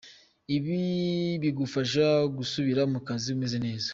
Ibi bigufasha gusubira mu kazi umeze neza”.